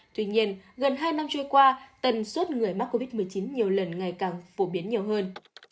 tuy nhiên gần hai năm trôi qua tần suất người mắc covid một mươi chín nhiều lần ngày càng phổ biến nhiều hơn